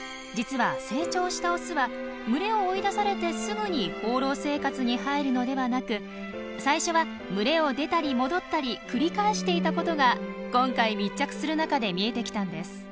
実は成長したオスは群れを追い出されてすぐに放浪生活に入るのではなく最初は群れを出たり戻ったり繰り返していたことが今回密着する中で見えてきたんです。